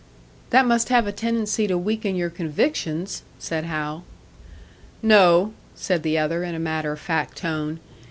"That must have a tendency to weaken your convictions," said Hal. "No," said the other, in a matter of fact tone.